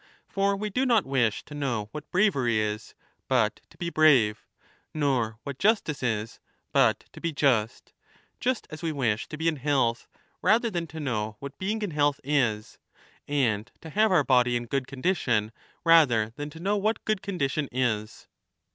For we do not wish to know what bravery is but to be brave, nor what justice is but to be just, just as we wish to be in health rather than to know what being in health is, and to have our body in good condition rather 25 than to know what good condition is.